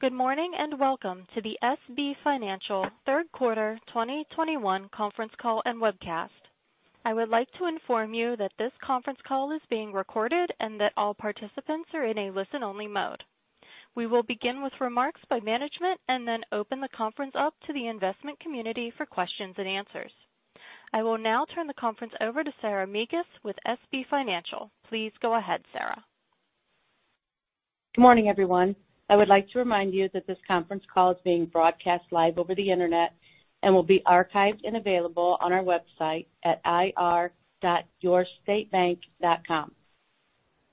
Good morning, and welcome to the SB Financial third quarter 2021 conference call and webcast. I would like to inform you that this conference call is being recorded and that all participants are in a listen-only mode. We will begin with remarks by management and then open the conference up to the investment community for questions and answers. I will now turn the conference over to Sarah Meehan with SB Financial. Please go ahead, Sarah. Good morning, everyone. I would like to remind you that this conference call is being broadcast live over the Internet and will be archived and available on our website at ir.yourstatebank.com.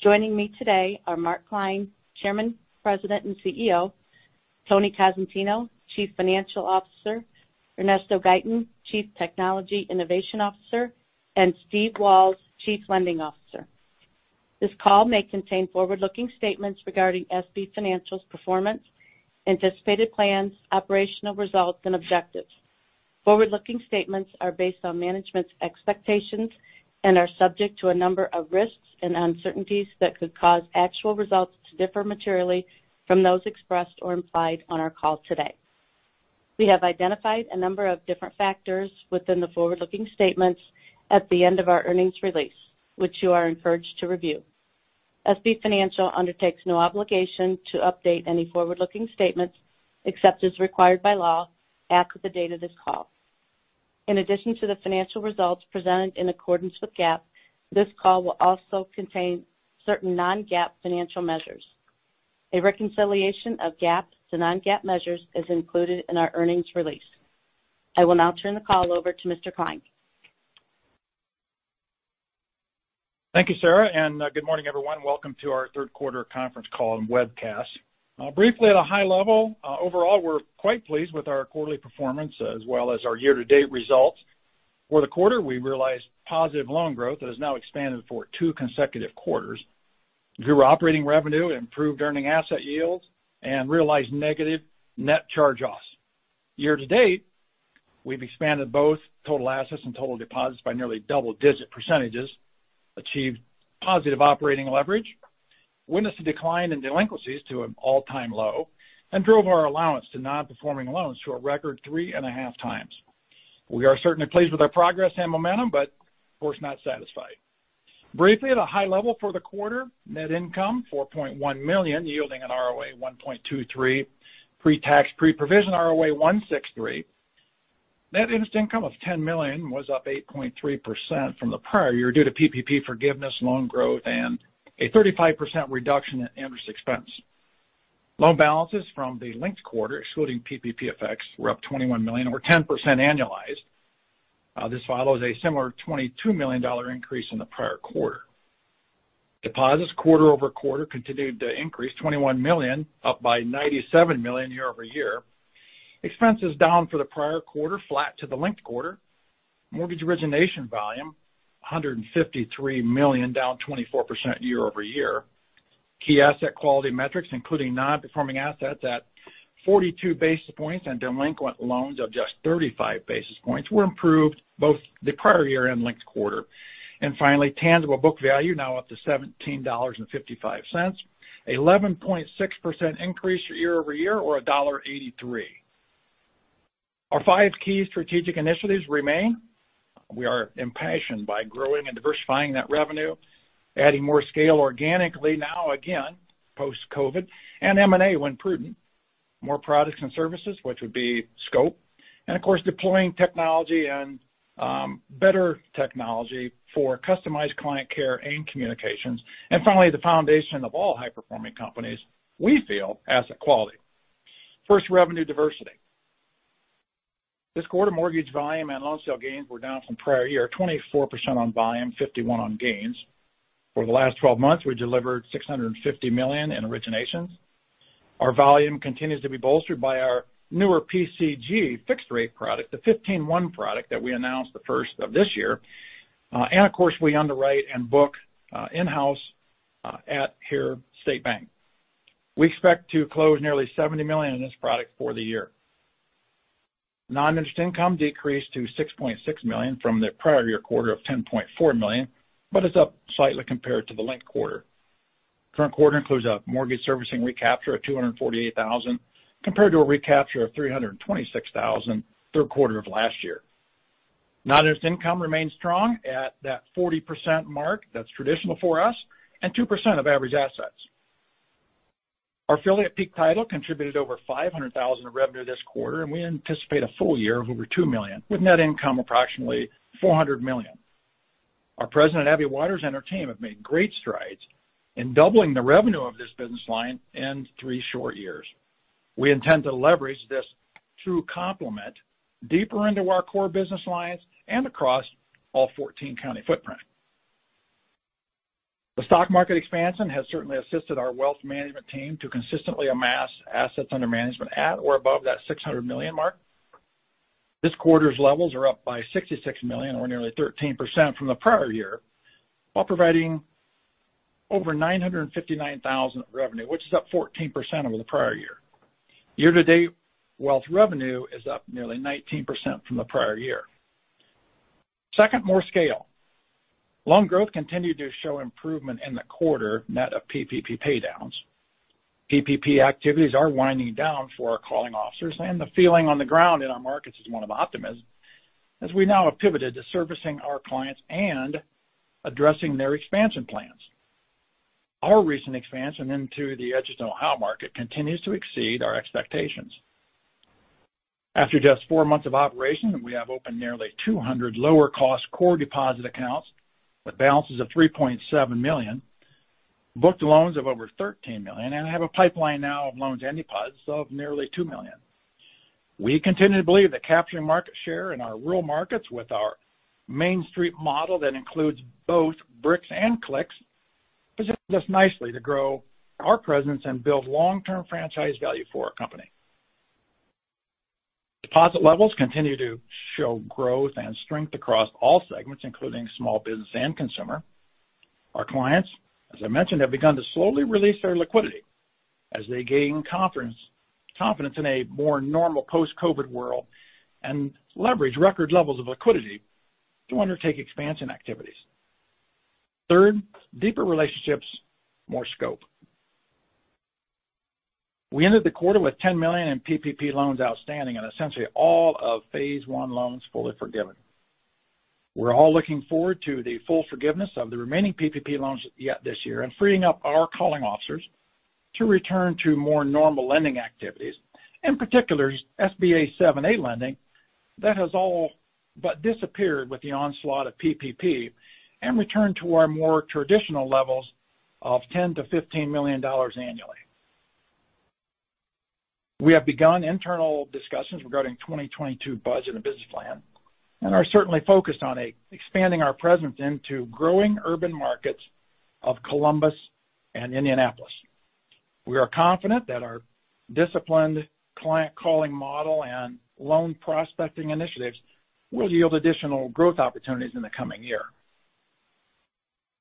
Joining me today are Mark Klein, Chairman, President, and CEO, Anthony Cosentino, Chief Financial Officer, Ernesto Gaytan, Chief Technology Innovation Officer, and Steven Walz, Chief Lending Officer. This call may contain forward-looking statements regarding SB Financial's performance, anticipated plans, operational results, and objectives. Forward-looking statements are based on management's expectations and are subject to a number of risks and uncertainties that could cause actual results to differ materially from those expressed or implied on our call today. We have identified a number of different factors within the forward-looking statements at the end of our earnings release, which you are encouraged to review. SB Financial undertakes no obligation to update any forward-looking statements except as required by law after the date of this call. In addition to the financial results presented in accordance with GAAP, this call will also contain certain non-GAAP financial measures. A reconciliation of GAAP to non-GAAP measures is included in our earnings release. I will now turn the call over to Mr. Klein. Thank you, Sarah, and good morning, everyone. Welcome to our third quarter conference call and webcast. Briefly at a high level, overall, we're quite pleased with our quarterly performance as well as our year-to-date results. For the quarter, we realized positive loan growth that has now expanded for two consecutive quarters, grew our operating revenue, improved earning asset yields, and realized negative net charge-offs. Year to date, we've expanded both total assets and total deposits by nearly double-digit percentages, achieved positive operating leverage, witnessed a decline in delinquencies to an all-time low, and drove our allowance to non-performing loans to a record three and a half times. We are certainly pleased with our progress and momentum, but of course, not satisfied. Briefly at a high level for the quarter, net income $4.1 million, yielding an ROA 1.23, pre-tax, pre-provision ROA 1.63. Net interest income of $10 million was up 8.3% from the prior year due to PPP forgiveness, loan growth, and a 35% reduction in interest expense. Loan balances from the linked quarter, excluding PPP effects, were up $21 million or 10% annualized. This follows a similar $22 million increase in the prior quarter. Deposits quarter-over-quarter continued to increase $21 million, up by $97 million year-over-year. Expenses are down from the prior quarter, flat to the linked quarter. Mortgage origination volume $153 million, down 24% year-over-year. Key asset quality metrics, including non-performing assets at 42 basis points and delinquent loans of just 35 basis points, were improved both the prior year and linked quarter. Finally, tangible book value now up to $17.55, 11.6% increase year-over-year or $1.83. Our five key strategic initiatives remain. We are impassioned by growing and diversifying that revenue, adding more scale organically now again post-COVID, and M&A when prudent, more products and services, which would be scope, and of course, deploying technology and better technology for customized client care and communications, and finally, the foundation of all high-performing companies, we feel, asset quality. First, revenue diversity. This quarter, mortgage volume and loan sale gains were down from prior year, 24% on volume, 51% on gains. For the last twelve months, we delivered $650 million in originations. Our volume continues to be bolstered by our newer PCG fixed rate product, the fifteen-one product that we announced the first of this year. Of course, we underwrite and book in-house right here at State Bank. We expect to close nearly $70 million in this product for the year. Non-interest income decreased to $6.6 million from the prior year quarter of $10.4 million, but it's up slightly compared to the linked quarter. Current quarter includes a mortgage servicing recapture of $248,000 compared to a recapture of $326,000 third quarter of last year. Non-interest income remains strong at that 40% mark that's traditional for us and 2% of average assets. Our affiliate, Peak Title, contributed over $500,000 of revenue this quarter, and we anticipate a full year of over $2 million, with net income approximately $400 million. Our president, Abby Waters, and her team have made great strides in doubling the revenue of this business line in three short years. We intend to leverage this through complementary deeper into our core business lines and across all 14-county footprint. The stock market expansion has certainly assisted our wealth management team to consistently amass assets under management at or above that $600 million mark. This quarter's levels are up by $66 million, or nearly 13% from the prior year, while providing over $959,000 of revenue, which is up 14% over the prior year. Year to date, wealth revenue is up nearly 19% from the prior year. Second, more scale. Loan growth continued to show improvement in the quarter net of PPP paydowns. PPP activities are winding down for our loan officers, and the feeling on the ground in our markets is one of optimism, as we now have pivoted to servicing our clients and addressing their expansion plans. Our recent expansion into the Edgerton, Ohio market continues to exceed our expectations. After just four months of operation, we have opened nearly 200 lower cost core deposit accounts with balances of $3.7 million, booked loans of over $13 million, and have a pipeline now of loans and deposits of nearly $2 million. We continue to believe that capturing market share in our rural markets with our Main Street model that includes both bricks and clicks positions us nicely to grow our presence and build long-term franchise value for our company. Deposit levels continue to show growth and strength across all segments, including small business and consumer. Our clients, as I mentioned, have begun to slowly release their liquidity as they gain confidence in a more normal post-COVID world and leverage record levels of liquidity to undertake expansion activities. Third, deeper relationships, more scope. We ended the quarter with $10 million in PPP loans outstanding and essentially all of phase one loans fully forgiven. We're all looking forward to the full forgiveness of the remaining PPP loans yet this year and freeing up our calling officers to return to more normal lending activities, in particular, SBA 7(a) lending that has all but disappeared with the onslaught of PPP and return to our more traditional levels of $10 million-$15 million annually. We have begun internal discussions regarding 2022 budget and business plan, and are certainly focused on expanding our presence into growing urban markets of Columbus and Indianapolis. We are confident that our disciplined client calling model and loan prospecting initiatives will yield additional growth opportunities in the coming year.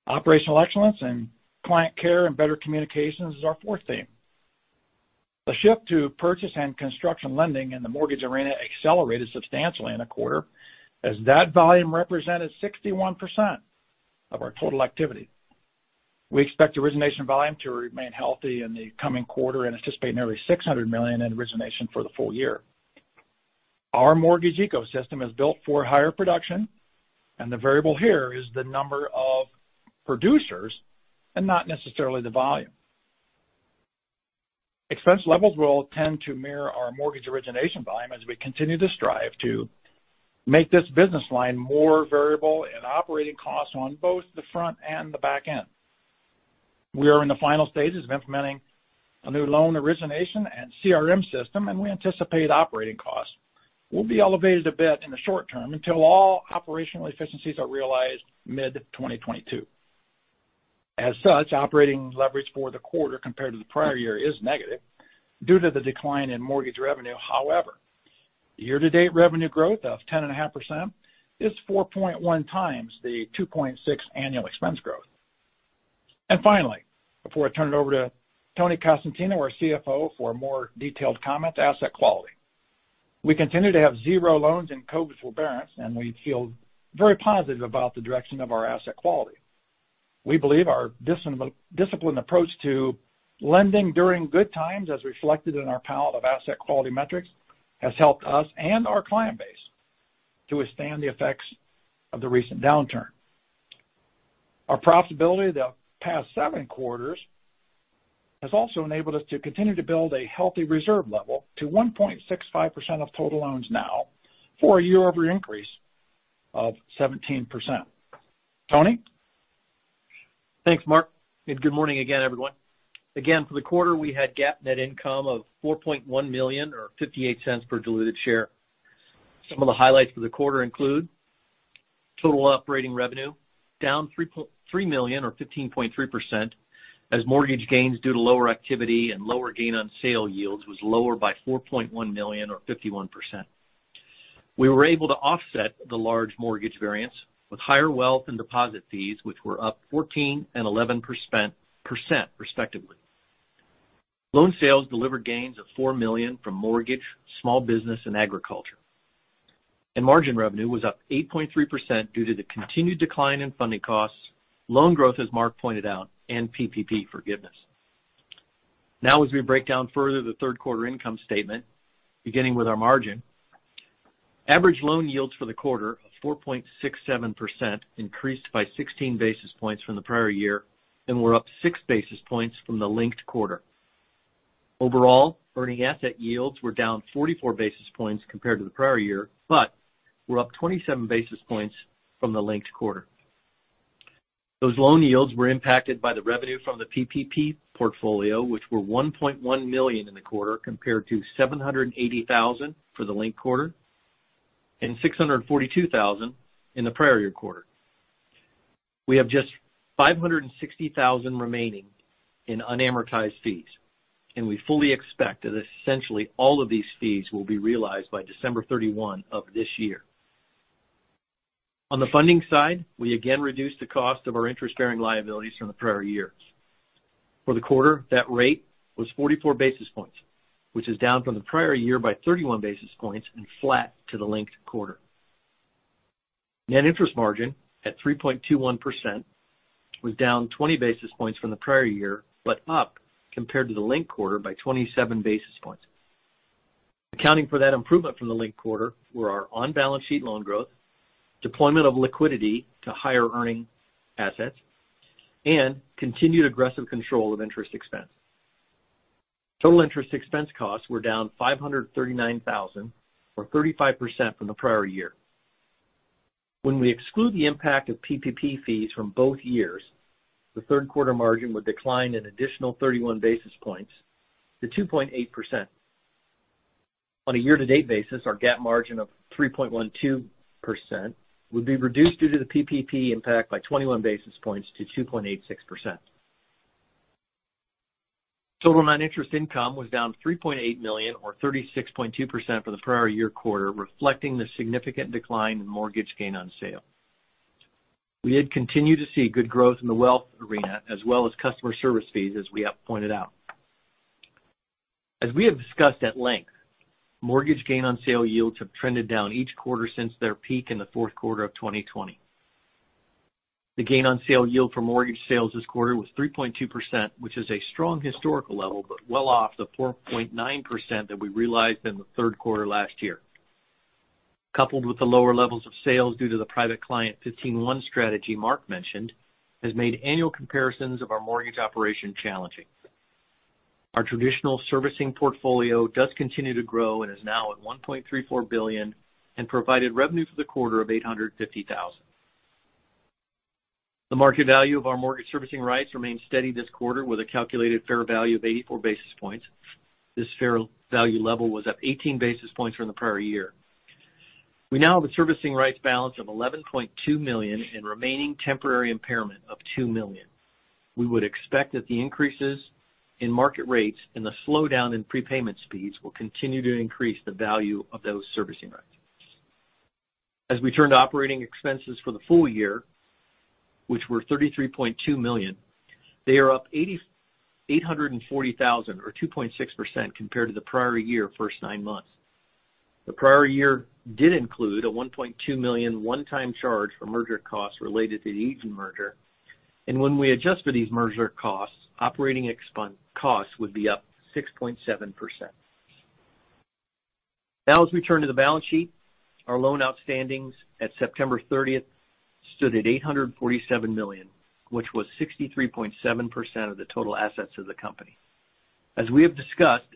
Operational excellence and client care and better communications is our fourth theme. The shift to purchase and construction lending in the mortgage arena accelerated substantially in the quarter as that volume represented 61% of our total activity. We expect origination volume to remain healthy in the coming quarter and anticipate nearly $600 million in origination for the full year. Our mortgage ecosystem is built for higher production, and the variable here is the number of producers and not necessarily the volume. Expense levels will tend to mirror our mortgage origination volume as we continue to strive to make this business line more variable in operating costs on both the front and the back end. We are in the final stages of implementing a new loan origination and CRM system, and we anticipate operating costs will be elevated a bit in the short term until all operational efficiencies are realized mid-2022. As such, operating leverage for the quarter compared to the prior year is negative due to the decline in mortgage revenue. However, year-to-date revenue growth of 10.5% is 4.1 times the 2.6 annual expense growth. Finally, before I turn it over to Tony Cosentino, our CFO, for more detailed comments, asset quality. We continue to have zero loans in COVID forbearance, and we feel very positive about the direction of our asset quality. We believe our discipline approach to lending during good times, as reflected in our palette of asset quality metrics, has helped us and our client base to withstand the effects of the recent downturn. Our profitability the past seven quarters has also enabled us to continue to build a healthy reserve level to 1.65% of total loans now for a year-over-year increase of 17%. Tony? Thanks, Mark, and good morning again, everyone. Again, for the quarter, we had GAAP net income of $4.1 million or $0.58 per diluted share. Some of the highlights for the quarter include total operating revenue down $3.3 million or 15.3% as mortgage gains due to lower activity and lower gain on sale yields was lower by $4.1 million or 51%. We were able to offset the large mortgage variance with higher wealth and deposit fees, which were up 14% and 11%, respectively. Loan sales delivered gains of $4 million from mortgage, small business and agriculture. Margin revenue was up 8.3% due to the continued decline in funding costs, loan growth, as Mark pointed out, and PPP forgiveness. Now, as we break down further the third quarter income statement, beginning with our margin, average loan yields for the quarter of 4.67% increased by 16 basis points from the prior year and were up 6 basis points from the linked quarter. Overall, earning asset yields were down 44 basis points compared to the prior year, but were up 27 basis points from the linked quarter. Those loan yields were impacted by the revenue from the PPP portfolio, which were $1.1 million in the quarter compared to $780,000 for the linked quarter and $642,000 in the prior year quarter. We have just $560,000 remaining in unamortized fees, and we fully expect that essentially all of these fees will be realized by December 31 of this year. On the funding side, we again reduced the cost of our interest-bearing liabilities from the prior years. For the quarter, that rate was 44 basis points, which is down from the prior year by 31 basis points and flat to the linked quarter. Net interest margin at 3.21% was down 20 basis points from the prior year, but up compared to the linked quarter by 27 basis points. Accounting for that improvement from the linked quarter were our on-balance sheet loan growth, deployment of liquidity to higher earning assets, and continued aggressive control of interest expense. Total interest expense costs were down $539,000 or 35% from the prior year. When we exclude the impact of PPP fees from both years, the third quarter margin would decline an additional 31 basis points to 2.8%. On a year-to-date basis, our GAAP margin of 3.12% would be reduced due to the PPP impact by 21 basis points to 2.86%. Total non-interest income was down $3.8 million or 36.2% for the prior year quarter, reflecting the significant decline in mortgage gain on sale. We did continue to see good growth in the wealth arena as well as customer service fees, as we have pointed out. As we have discussed at length, mortgage gain on sale yields have trended down each quarter since their peak in the fourth quarter of 2020. The gain on sale yield for mortgage sales this quarter was 3.2%, which is a strong historical level, but well off the 4.9% that we realized in the third quarter last year. Coupled with the lower levels of sales due to the private client fifteen-one strategy Mark mentioned, has made annual comparisons of our mortgage operation challenging. Our traditional servicing portfolio does continue to grow and is now at $1.34 billion, and provided revenue for the quarter of $850,000. The market value of our mortgage servicing rights remained steady this quarter with a calculated fair value of 84 basis points. This fair value level was up 18 basis points from the prior year. We now have a servicing rights balance of $11.2 million and remaining temporary impairment of $2 million. We would expect that the increases in market rates and the slowdown in prepayment speeds will continue to increase the value of those servicing rights. As we turn to operating expenses for the full year, which were $33.2 million, they are up $840,000 or 2.6% compared to the prior year first nine months. The prior year did include a $1.2 million one-time charge for merger costs related to the Edon Bancorp merger. When we adjust for these merger costs, operating costs would be up 6.7%. Now, as we turn to the balance sheet, our loan outstandings at September 30th stood at $847 million, which was 63.7% of the total assets of the company. As we have discussed,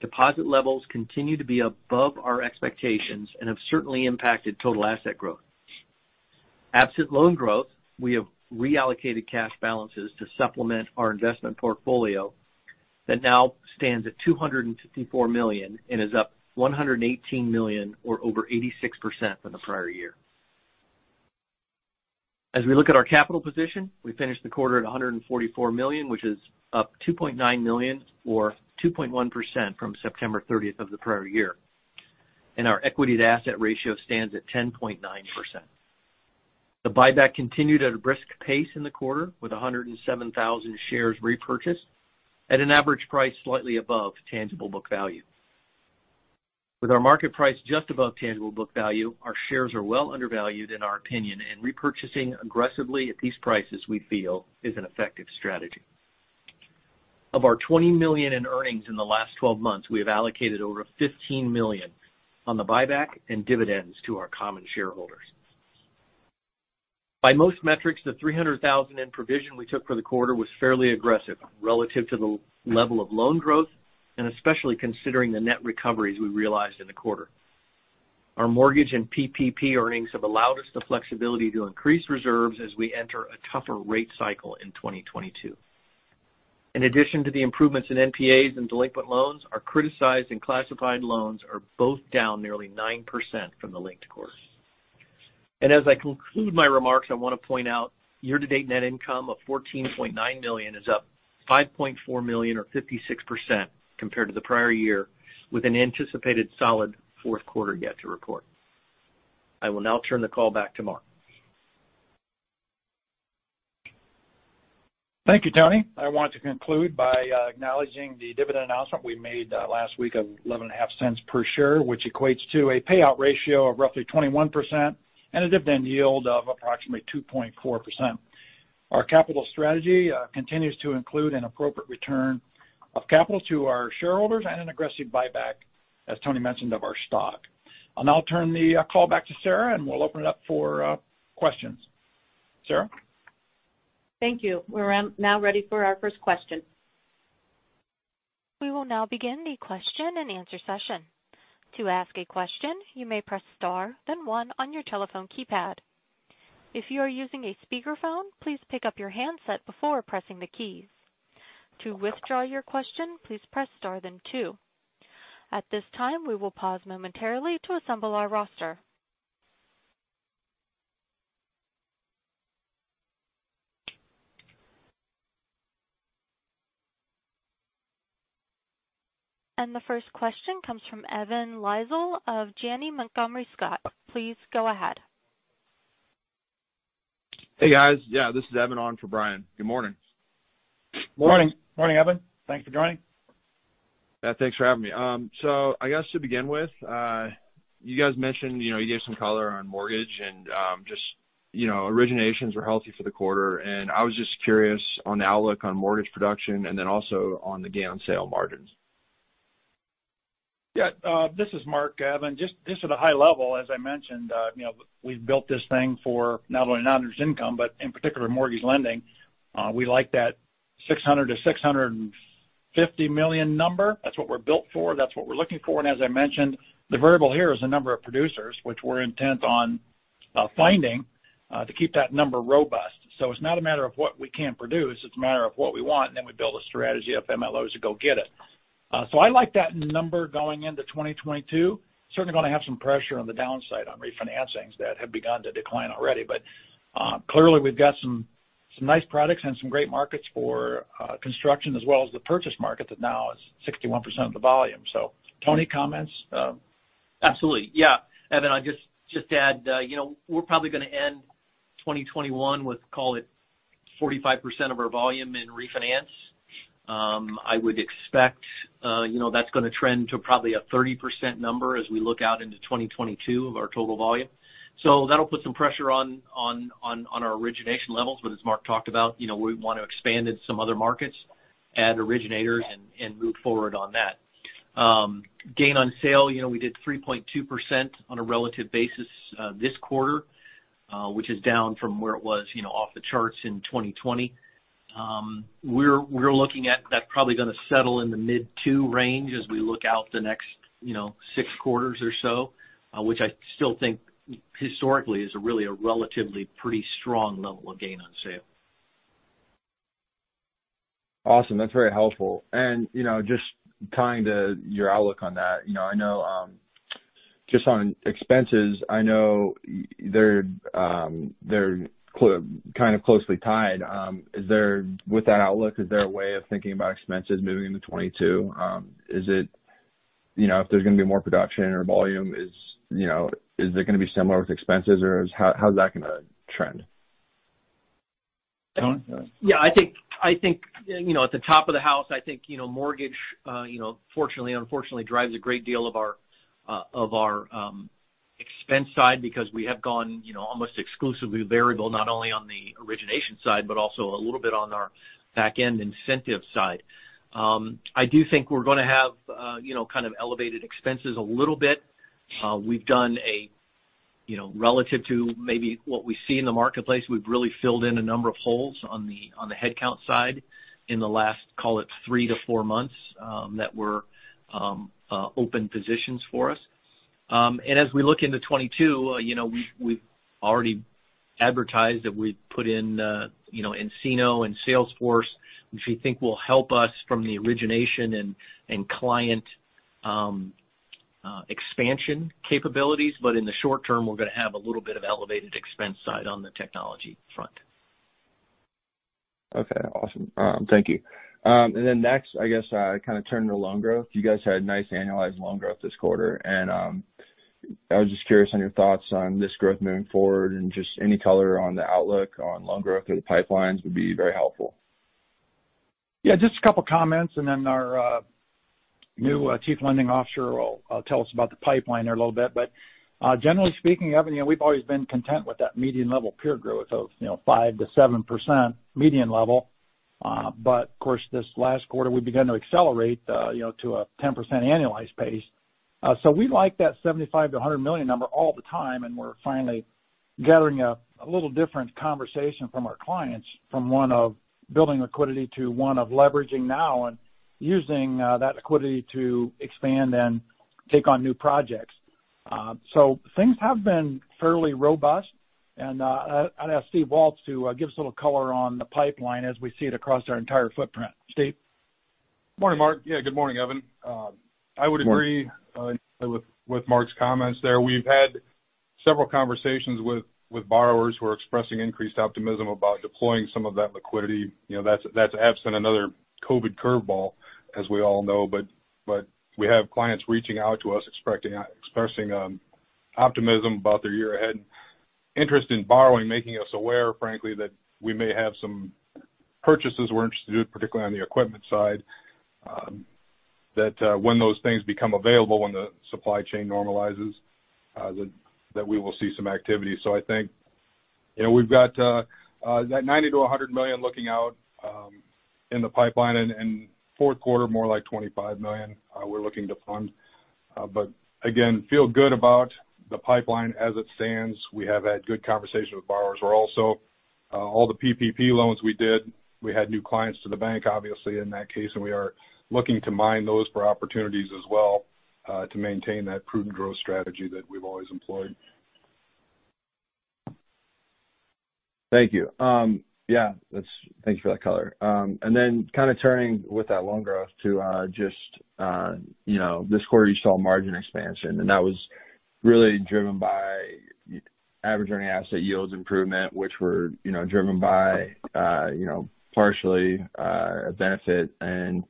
deposit levels continue to be above our expectations and have certainly impacted total asset growth. Absent loan growth, we have reallocated cash balances to supplement our investment portfolio that now stands at $254 million and is up $118 million or over 86% from the prior year. As we look at our capital position, we finished the quarter at $144 million, which is up $2.9 million or 2.1% from September 30 of the prior year, and our equity-to-asset ratio stands at 10.9%. The buyback continued at a brisk pace in the quarter, with 107,000 shares repurchased at an average price slightly above tangible book value. With our market price just above tangible book value, our shares are well undervalued in our opinion, and repurchasing aggressively at these prices we feel is an effective strategy. Of our $20 million in earnings in the last 12 months, we have allocated over $15 million on the buyback and dividends to our common shareholders. By most metrics, the $300,000 in provision we took for the quarter was fairly aggressive relative to the level of loan growth and especially considering the net recoveries we realized in the quarter. Our mortgage and PPP earnings have allowed us the flexibility to increase reserves as we enter a tougher rate cycle in 2022. In addition to the improvements in NPAs and delinquent loans, our criticized and classified loans are both down nearly 9% from the linked quarter. As I conclude my remarks, I want to point out year-to-date net income of $14.9 million is up $5.4 million or 56% compared to the prior year, with an anticipated solid fourth quarter yet to report. I will now turn the call back to Mark. Thank you, Anthony. I want to conclude by acknowledging the dividend announcement we made last week of $0.115 per share, which equates to a payout ratio of roughly 21% and a dividend yield of approximately 2.4%. Our capital strategy continues to include an appropriate return of capital to our shareholders and an aggressive buyback, as Tony mentioned, of our stock. I'll now turn the call back to Sarah, and we'll open it up for questions. Sarah? Thank you. We're now ready for our first question. We will now begin the question-and-answer session. To ask a question, you may press star, then one on your telephone keypad. If you are using a speakerphone, please pick up your handset before pressing the keys. To withdraw your question, please press star then two. At this time, we will pause momentarily to assemble our roster. The first question comes from Evan Lisle of Janney Montgomery Scott LLC. Please go ahead. Hey, guys. Yeah, this is Evan on for Brian. Good morning. Morning. Morning, Evan. Thanks for joining. Yeah, thanks for having me. So I guess to begin with, you guys mentioned, you know, you gave some color on mortgage and, just, you know, originations were healthy for the quarter. I was just curious on the outlook on mortgage production and then also on the gain on sale margins. Yeah. This is Mark, Evan. Just at a high level, as I mentioned, you know, we've built this thing for not only non-interest income, but in particular mortgage lending. We like that $600-$650 million number. That's what we're built for. That's what we're looking for. As I mentioned, the variable here is the number of producers which we're intent on finding to keep that number robust. It's not a matter of what we can produce, it's a matter of what we want, and then we build a strategy of MLOs to go get it. I like that number going into 2022. Certainly gonna have some pressure on the downside on refinancings that have begun to decline already. Clearly we've got some nice products and some great markets for construction as well as the purchase market that now is 61% of the volume. Tony, comments? Absolutely. Yeah. Evan, I'd just add, you know, we're probably gonna end 2021 with, call it 45% of our volume in refinance. I would expect, you know, that's gonna trend to probably a 30% number as we look out into 2022 of our total volume. That'll put some pressure on our origination levels. As Mark talked about, you know, we wanna expand in some other markets, add originators and move forward on that. Gain on sale, you know, we did 3.2% on a relative basis, this quarter, which is down from where it was, you know, off the charts in 2020. We're looking at that probably gonna settle in the mid-2 range as we look out the next, you know, six quarters or so, which I still think historically is a really relatively pretty strong level of gain on sale. Awesome. That's very helpful. You know, just tying to your outlook on that, you know, I know just on expenses, I know they're kind of closely tied. With that outlook, is there a way of thinking about expenses moving into 2022? You know, if there's gonna be more production or volume, is it gonna be similar with expenses or how is that gonna trend? Tony? Yeah, I think you know, at the top of the house, I think you know, mortgage you know, fortunately or unfortunately drives a great deal of our expense side because we have gone you know, almost exclusively variable not only on the origination side, but also a little bit on our back end incentive side. I do think we're gonna have you know, kind of elevated expenses a little bit. We've done a you know, relative to maybe what we see in the marketplace. We've really filled in a number of holes on the headcount side in the last, call it 3-4 months, that were open positions for us. As we look into 2022, you know, we've already advertised that we've put in, you know, nCino and Salesforce, which we think will help us from the origination and client expansion capabilities. But in the short term, we're gonna have a little bit of elevated expense side on the technology front. Okay. Awesome. Thank you. Next, I guess, kind of turn to loan growth. You guys had nice annualized loan growth this quarter, and I was just curious on your thoughts on this growth moving forward and just any color on the outlook on loan growth or the pipelines would be very helpful. Yeah, just a couple comments and then our new Chief Lending Officer will tell us about the pipeline there a little bit. Generally speaking, Evan, you know, we've always been content with that median level peer growth of, you know, 5%-7% median level. Of course, this last quarter we began to accelerate, you know, to a 10% annualized pace. We like that $75-$100 million number all the time, and we're finally gathering a little different conversation from our clients from one of building liquidity to one of leveraging now and using that liquidity to expand and take on new projects. Things have been fairly robust. I'll ask Steve Walz to give us a little color on the pipeline as we see it across our entire footprint. Steve? Morning, Mark. Yeah, good morning, Evan. I would agree with Mark's comments there. We've had several conversations with borrowers who are expressing increased optimism about deploying some of that liquidity. You know, that's absent another COVID curveball, as we all know. We have clients reaching out to us expressing optimism about their year ahead, interest in borrowing, making us aware, frankly, that we may have some purchases we're interested in, particularly on the equipment side, that when those things become available, when the supply chain normalizes, that we will see some activity. I think, you know, we've got that $90-$100 million looking out in the pipeline and in fourth quarter more like $25 million we're looking to fund. Again, feel good about the pipeline as it stands. We have had good conversations with borrowers, who are also all the PPP loans we did. We had new clients to the bank obviously in that case, and we are looking to mine those for opportunities as well, to maintain that prudent growth strategy that we've always employed. Thank you. Yeah, thank you for that color. Then kind of turning with that loan growth to, just, you know, this quarter you saw margin expansion, and that was really driven by average earning asset yields improvement, which were, you know, driven by, you know, partially, a benefit in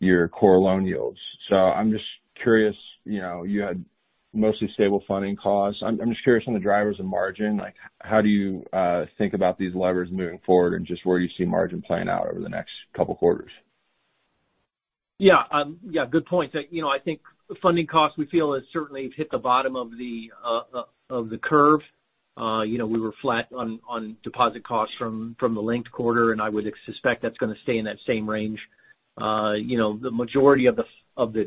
your core loan yields. So I'm just curious, you know, you had mostly stable funding costs. I'm just curious on the drivers of margin, like how do you think about these levers moving forward and just where you see margin playing out over the next couple quarters? Yeah. Yeah, good point. You know, I think funding costs we feel has certainly hit the bottom of the curve. You know, we were flat on deposit costs from the linked quarter, and I would suspect that's gonna stay in that same range. You know, the majority of the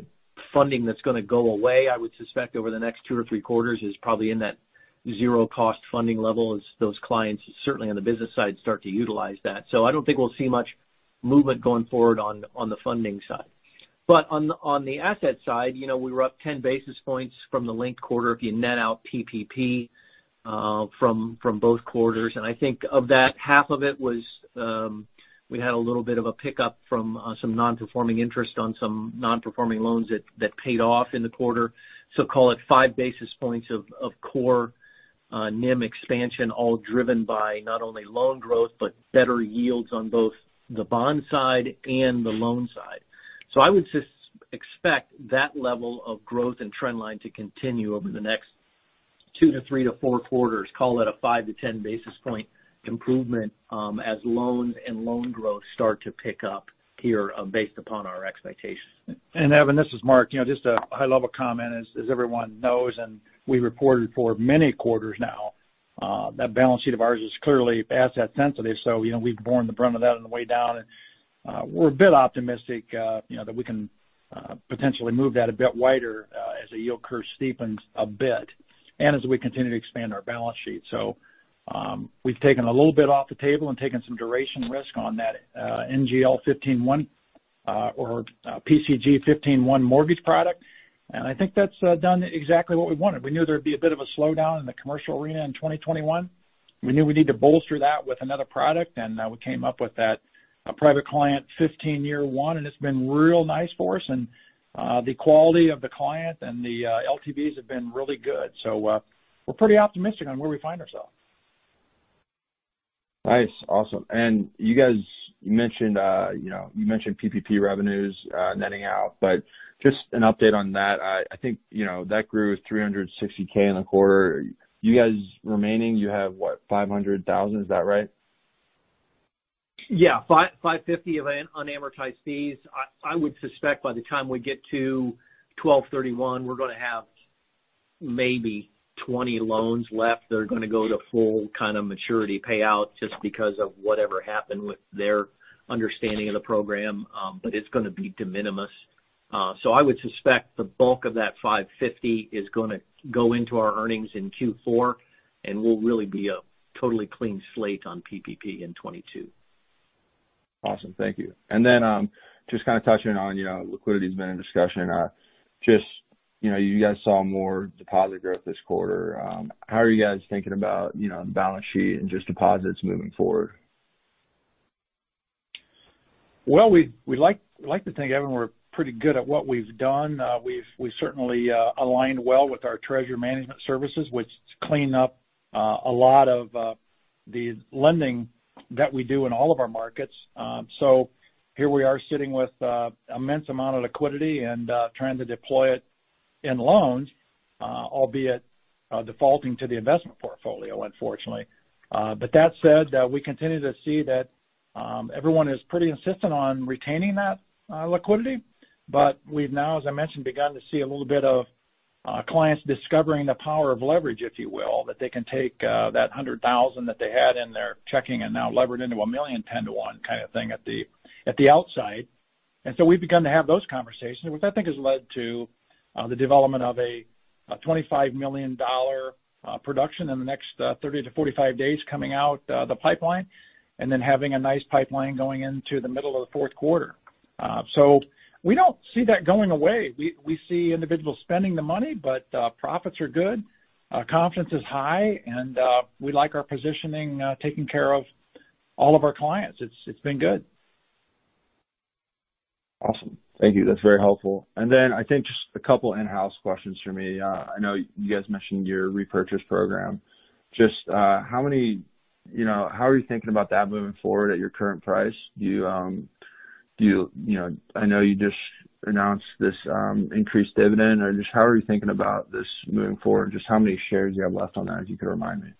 funding that's gonna go away, I would suspect over the next two or three quarters is probably in that zero cost funding level as those clients certainly on the business side start to utilize that. So I don't think we'll see much movement going forward on the funding side. But on the asset side, you know, we were up 10 basis points from the linked quarter if you net out PPP from both quarters. I think of that, half of it was, we had a little bit of a pickup from some non-performing interest on some non-performing loans that paid off in the quarter. Call it 5 basis points of core NIM expansion, all driven by not only loan growth, but better yields on both the bond side and the loan side. I would just expect that level of growth and trend line to continue over the next 2 to 3 to 4 quarters, call it a 5-10 basis point improvement, as loans and loan growth start to pick up here, based upon our expectations. Evan, this is Mark. You know, just a high level comment. As everyone knows and we reported for many quarters now, that balance sheet of ours is clearly asset sensitive. You know, we've borne the brunt of that on the way down, and we're a bit optimistic, you know, that we can potentially move that a bit wider, as the yield curve steepens a bit and as we continue to expand our balance sheet. We've taken a little bit off the table and taken some duration risk on that, PCG fifteen one, or PCG fifteen one mortgage product. I think that's done exactly what we wanted. We knew there'd be a bit of a slowdown in the commercial arena in 2021. We knew we need to bolster that with another product, and we came up with that private client fifteen-one, and it's been real nice for us. The quality of the client and the LTVs have been really good. We're pretty optimistic on where we find ourselves. Nice. Awesome. You guys mentioned, you know, PPP revenues netting out, but just an update on that. I think, you know, that grew $360,000 in the quarter. You guys remaining you have, what, $500,000? Is that right? Yeah. $550 of unamortized fees. I would suspect by the time we get to 12/31, we're gonna have maybe 20 loans left that are gonna go to full kind of maturity payout just because of whatever happened with their understanding of the program. It's gonna be de minimis. I would suspect the bulk of that $550 is gonna go into our earnings in Q4, and we'll really be a totally clean slate on PPP in 2022. Awesome. Thank you. Just kinda touching on, you know, liquidity has been in discussion. Just, you know, you guys saw more deposit growth this quarter. How are you guys thinking about, you know, balance sheet and just deposits moving forward? Well, we'd like to think, Evan, we're pretty good at what we've done. We've certainly aligned well with our treasury management services, which clean up a lot of the lending that we do in all of our markets. Here we are sitting with immense amount of liquidity and trying to deploy it in loans, albeit defaulting to the investment portfolio, unfortunately. That said, we continue to see that everyone is pretty insistent on retaining that liquidity. We've now, as I mentioned, begun to see a little bit of clients discovering the power of leverage, if you will. That they can take that $100,000 that they had in their checking and now lever it into $1 million 10-to-1 kinda thing at the outside. We've begun to have those conversations, which I think has led to the development of a $25 million production in the next 30-45 days coming out of the pipeline, and then having a nice pipeline going into the middle of the fourth quarter. We don't see that going away. We see individuals spending the money, but profits are good, confidence is high, and we like our positioning taking care of all of our clients. It's been good. Awesome. Thank you. That's very helpful. I think just a couple in-house questions for me. I know you guys mentioned your repurchase program. Just, you know, how are you thinking about that moving forward at your current price? Do you know, I know you just announced this increased dividend, or just how are you thinking about this moving forward? Just how many shares you have left on that, if you could remind me.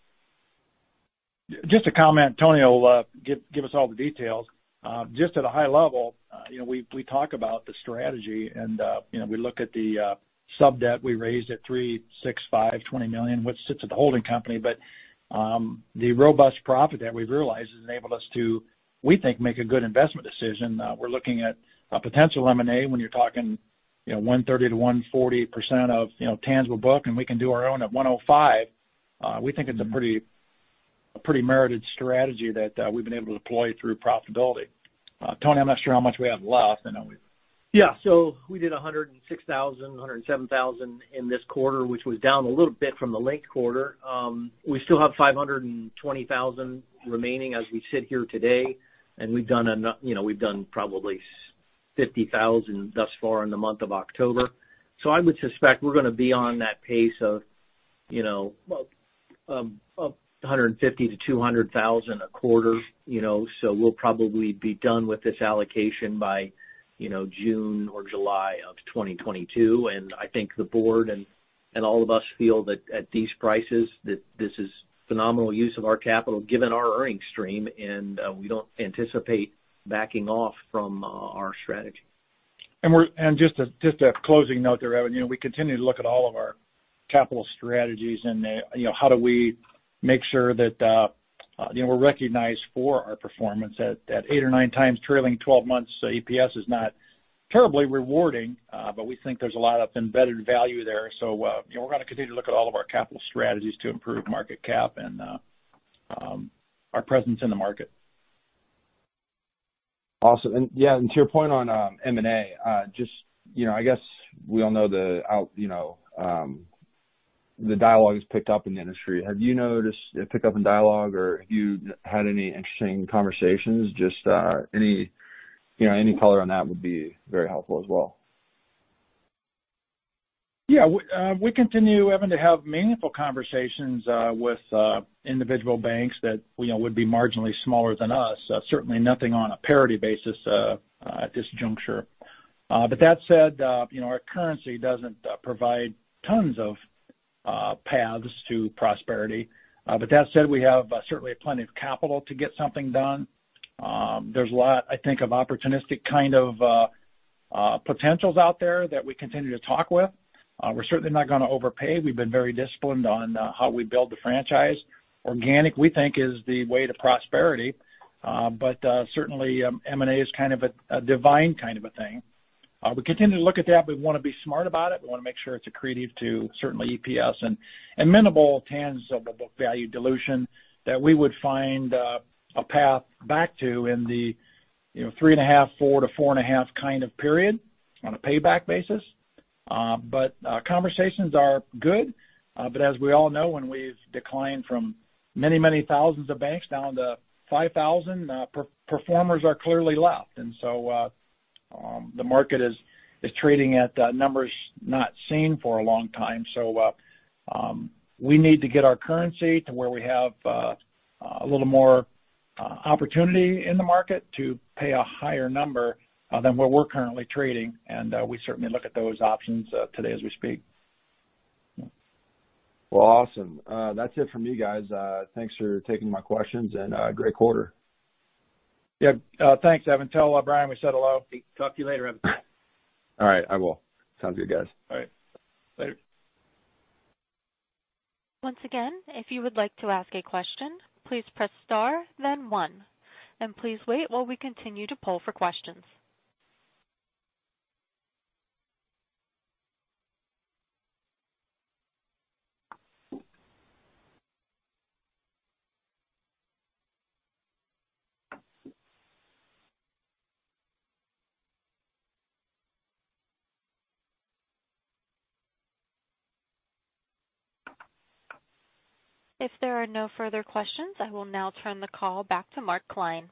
Just a comment. Tony will give us all the details. Just at a high level, you know, we talk about the strategy and, you know, we look at the sub-debt we raised at 3.65 $20 million, which sits at the holding company. The robust profit that we've realized has enabled us to, we think, make a good investment decision. We're looking at a potential M&A when you're talking, you know, 130%-140% of, you know, tangible book, and we can do our own at 105. We think it's a pretty merited strategy that, we've been able to deploy through profitability. Tony, I'm not sure how much we have left. I know we've Yeah. We did $106,000, $107,000 in this quarter, which was down a little bit from the linked quarter. We still have $520,000 remaining as we sit here today, and we've done you know, we've done probably $650,000 thus far in the month of October. I would suspect we're gonna be on that pace of, you know, $150,000-$200,000 a quarter, you know, so we'll probably be done with this allocation by, you know, June or July of 2022. I think the board and all of us feel that at these prices, that this is phenomenal use of our capital, given our earning stream, and we don't anticipate backing off from our strategy. Just a closing note there, Evan. We continue to look at all of our capital strategies and how do we make sure that we're recognized for our performance. At 8x or 9x trailing twelve months, EPS is not terribly rewarding, but we think there's a lot of embedded value there. We're gonna continue to look at all of our capital strategies to improve market cap and our presence in the market. Awesome. To your point on M&A, just you know, I guess we all know the dialogue has picked up in the industry. Have you noticed a pick-up in dialogue, or have you had any interesting conversations? Just, you know, any color on that would be very helpful as well. Yeah. We continue, Evan, to have meaningful conversations with individual banks that, you know, would be marginally smaller than us. Certainly nothing on a parity basis at this juncture. That said, you know, our currency doesn't provide tons of paths to prosperity. That said, we have certainly plenty of capital to get something done. There's a lot, I think, of opportunistic kind of potentials out there that we continue to talk with. We're certainly not gonna overpay. We've been very disciplined on how we build the franchise. Organic, we think, is the way to prosperity. Certainly, M&A is kind of a divine kind of a thing. We continue to look at that. We wanna be smart about it. We wanna make sure it's accretive to, certainly, EPS and minimal impact on the book value dilution that we would find a path back to in the, you know, 3.5-4.5 kind of period on a payback basis. Conversations are good. As we all know, when we've declined from many, many thousands of banks down to 5,000, performers are clearly left. The market is trading at numbers not seen for a long time. We need to get our currency to where we have a little more opportunity in the market to pay a higher number than where we're currently trading. We certainly look at those options today, as we speak. Well, awesome. That's it from me, guys. Thanks for taking my questions, and great quarter. Yeah. Thanks, Evan. Tell Brian we said hello. Talk to you later, Evan. All right, I will. Sounds good, guys. All right. Later. Once again, if you would like to ask a question, please press star then one. Please wait while we continue to poll for questions. If there are no further questions, I will now turn the call back to Mark Klein.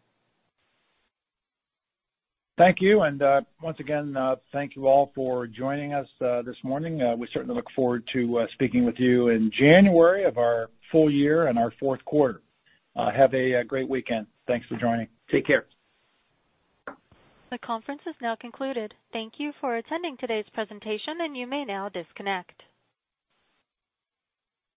Thank you. Once again, thank you all for joining us this morning. We certainly look forward to speaking with you in January of our full year and our fourth quarter. Have a great weekend. Thanks for joining. Take care. The conference is now concluded. Thank you for attending today's presentation, and you may now disconnect.